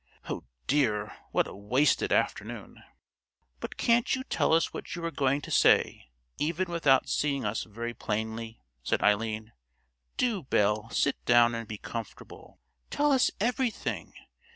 Oh dear! what a wasted afternoon!" "But can't you tell us what you were going to say, even without seeing us very plainly?" said Eileen. "Do, Belle, sit down and be comfortable; tell us everything.